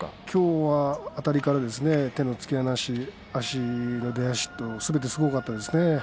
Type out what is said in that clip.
きょうはあたりから手の突き放し、出足すべてすごかったですね。